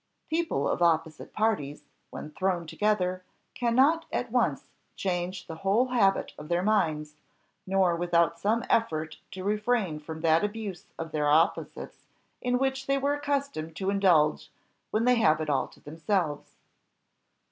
People of opposite parties, when thrown together, cannot at once change the whole habit of their minds, nor without some effort refrain from that abuse of their opposites in which they are accustomed to indulge when they have it all to themselves.